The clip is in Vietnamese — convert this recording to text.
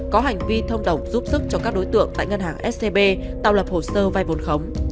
có hành vi thông đồng giúp sức cho các đối tượng tại ngân hàng scb tạo lập hồ sơ vai vốn khống